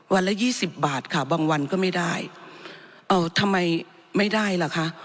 ละยี่สิบบาทค่ะบางวันก็ไม่ได้เอ่อทำไมไม่ได้ล่ะคะ